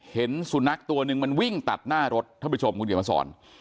เห็นสุนัขตัวหนึ่งมันวิ่งตัดหน้ารถท่านผู้ชมคุณเขียนมาสอน